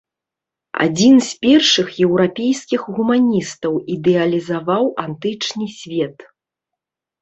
Адзін з першых еўрапейскіх гуманістаў ідэалізаваў антычны свет.